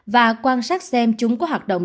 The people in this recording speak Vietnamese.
và quan sát xem chúng có hoạt động